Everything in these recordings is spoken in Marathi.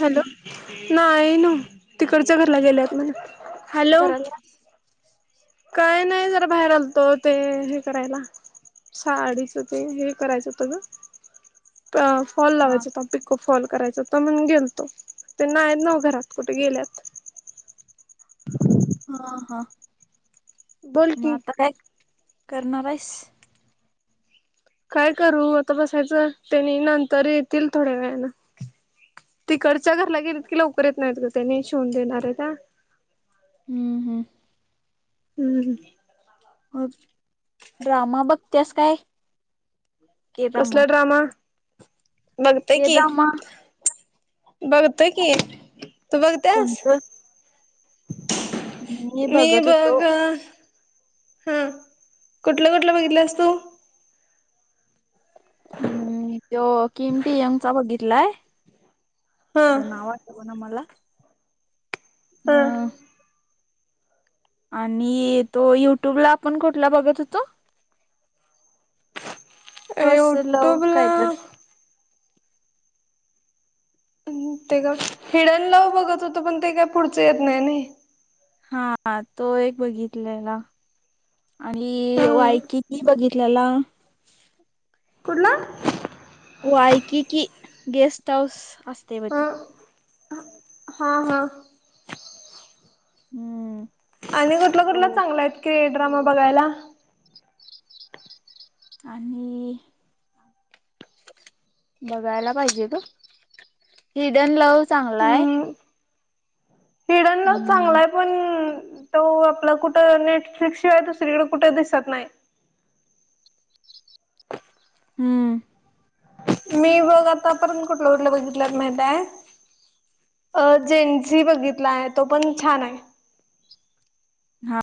हॅलो नाही ना तिकडच्या घरला गेलेत म्हण. हॅलो का नाही नाही जरा बाहेर आलतो ते हे करायला साडीचं ते हे करायचं होत ग [inaudible] फॉल हा लावायच त पिक फॉल करायच म्हण गेलतो त्यांना आहेत नाऊ घरात कुठे गेल्यात हा हा बोल की मता काय कर्नाारस काय करू आता बसायचं त्यानी नंतर येतील थोड्या वेळला तिकडच्या घरला गेलीत की लवकर येत नाहीत का त्याने शोवून देणार आहे का हम्म हम्म हम्म हो ड्रामा बघतेस काय कसला ड्रामा बघतय के की ड्रामा बघतय की तू बघतेस कोणतं? मी बघत होतो बघ हा कुठलं कुठलं बघितलं असतू हम्म तो किमती यंगचा ब गीतलाय हा तिचं नाव वाटत बणा मला हा आणि तो युट्यूब ला आपण कुठला बघत होतो ए फर्स्ट ऑटो लव्ह बला काय तर ते का हिडणलाव बघत होत पण ते काय पुढच येत नाही ना हा तो एक बघितलंला आणि हम्म वाय कि बघितल्याला कुठला हो ऐ क की गेस्ट हाऊस असते व ह त हा हा हम्म आणि कुठला कुठला तो चांगलाय की ड्रामा बघायला आणि बघायला पाहिजे तू हिडन लव्ह चांगला आहे कडन हम्म चांगलाय पण तो आपला कुठं नेटफ्लिक्स शिवाय दुसरीकडे कुठे दिसत नाही हम्म मी बघ आता परंत कुठलं उठलं बघितलंत माहितय अ जेनझी बघितला आहे तो पण छान आहे हा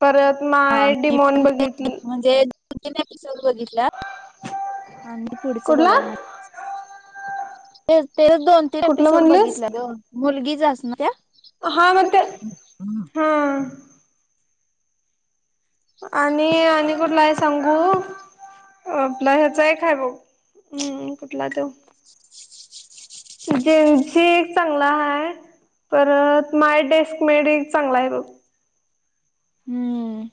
परत हा माय डीमॉन बघितली म्हणजे एपिसोड बघितला आणि पुढच कुठला बघा ना ते ते दोन तीन कुठलं एपिसोड म्हणलेस बघितल्या मुलगीच अस ना त्या हा म हा आणि आणि कुठला आहे सांगू आपला ह्याचा एकय बघ हम् कुठला ते जेनस एक चांगला ह परत माय डेस्क मेड चांगला आहे हम्म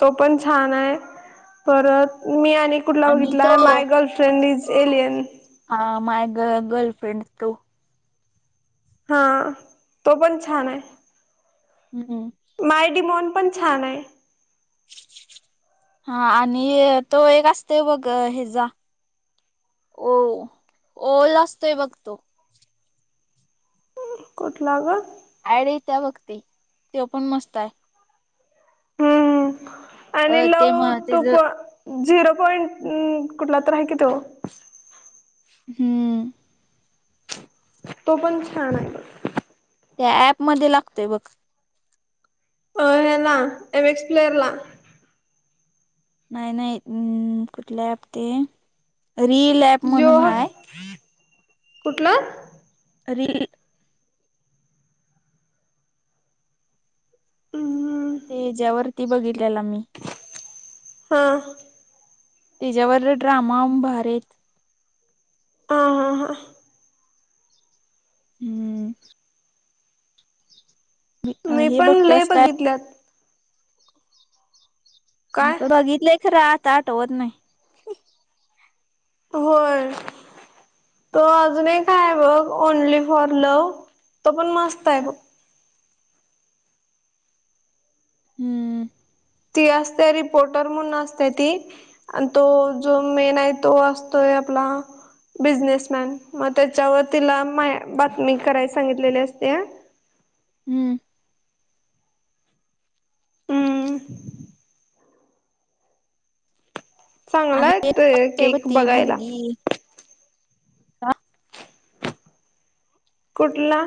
तो पण छान आहे परत मी आणि कुठला आणि बघितला आहे तो माय गर्लफ्रेंड इज एलियन हा माय ग गर्लफ्रेंड तू हा तो पण छान हम्म आहे मायडमन पण छान आहे. हा आणि तो एक असतो बघ हेजा. हो ओल असतोय बघ तो. कुठला ग. ऍड येतीया बघ ती हम्म आणि अ ते म लव तेज टूप झिरो पॉईंट कुठला तर आहे की तो हम्म. तो पण छान हाय. त्या ऍप मध्ये लागतोय बघ. याला एम एक्स प्लेयर ला नाही नाही अम् कुठलं ऍप ते रील ॲप म्हणून हाय, कुठलं? अे [unintelligible] हम्म बघितल्याला मी. हा त्याच्यावर ड्रामा उभारेत हा हा हा हम्म मी हे पण लय बघतेस काय बघितल्यात काय बघितलंय खर आत आठवत नाही. होय तो अजूनही काय आहे बघ ओनली फॉर लव्ह तो पण मस्त आहे बघ. हम्म ती असते रिपोर्टर म्हणून असते ती आणि तो जो मेन आहे तो असतोय बिझनेस मॅन मग त्याच्यावर तिला बातमी कराय सांगितलेली अस्तिया. हम्म हम्म. चांगला आहे केक आणिवती बघायला मुलगी का [unintelligible] कुठला?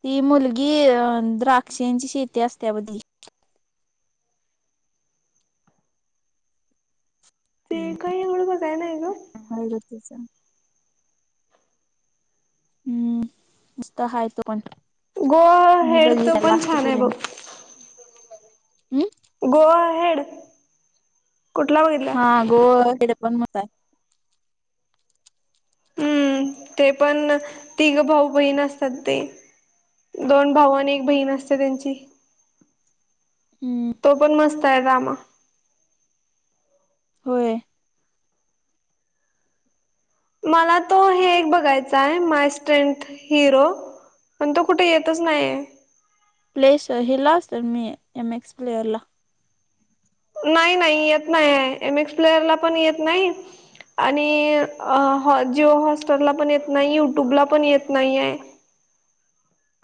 ती मुलगी अं द्राक्षांची शेती असते बघ तीची ते काही एवढं बघय नाही ग. [inaudible] हम्म उस्तहाा आहे तो कोण [unintelligible] गोवा हेड तो पण छान आहे बघ. हम् गोवा हेड. कुठला बघितला हा गोवा हे पण मस्त आहे. हम्म ते पण तिघ भाऊ बहीण असतात ते दोन भाऊ आणि एक बहीण असते त्यांची हम्म तो पण मस्त आहे ड्रामा. होय. मला तो हे एक बघायचा हाय माय स्ट्रेथ हिरो. पण तो कुठे येतच नाय प्ले सर हला सर मी एम एक्स प्लेअरला. नाही नाही येत नाही एम एक्स प्लेयरला पण येत नाही. आणि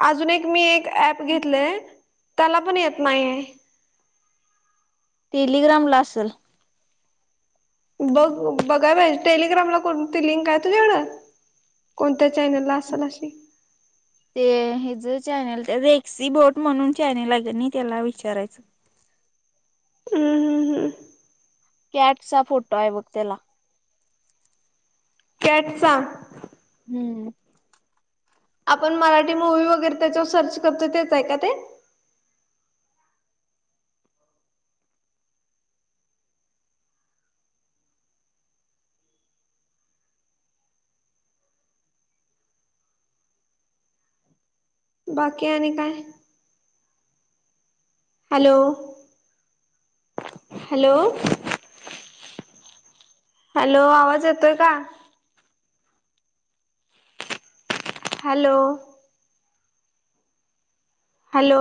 अजून एक मी एक ऍप घेतले त्याला पण येत नाही. टेलिग्राम ला असंल. बघ बघाया पाहिजे, टेलिग्रामला कोणती लिंक आहे तुझ्याकडं? कोणत्या चॅनलला असंल अशी. ते ह ज चॅनेल रेक्सी बोट म्हणून चॅनेल आहे त्याला विचारायचं [inaudible] हम्म हम्म हम्म कॅटचा फोटो आहे बघ त्याला. कॅटचा हम्म आपण मराठी मू्वी वगैरे त्याच्यावर सर्च करतो, तेच आहे का ते? बाकी आणि काय? हॅलो हॅलो हॅलो आवाज येतोय का? Hello hello